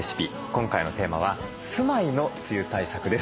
今回のテーマは「住まいの梅雨対策」です。